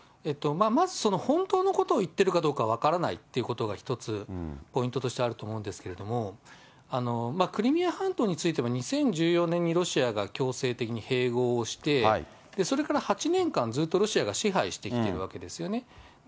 まずその、本当のことを言っているかどうか分からないということが一つ、ポイントとしてあると思うんですけれども、クリミア半島については、２０１４年にロシアが強制的に併合をして、それから８年間、ずっとロシアが支配してきているわけですよね。